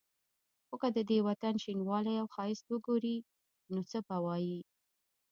خو که د دې وطن شینوالی او ښایست وګوري نو څه به وايي.